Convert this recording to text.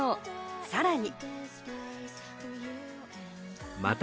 さらに。